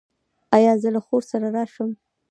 ایا زه له خور سره راشم؟